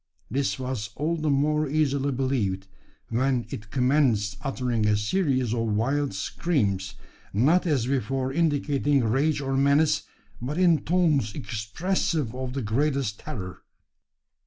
This was all the more easily believed, when it commenced uttering a series of wild screams; not as before indicating rage or menace, but in tones expressive of the greatest terror!